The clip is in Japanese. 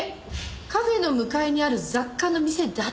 カフェの向かいにある雑貨の店だって。